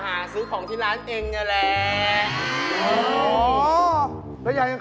หาของให้แกไปก่อน